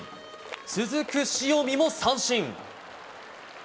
続く塩見も三振。